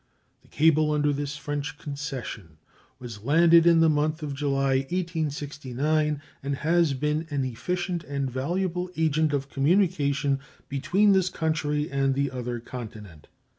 The cable, under this French concession, was landed in the month of July, 1869, and has been an efficient and valuable agent of communication between this country and the other continent.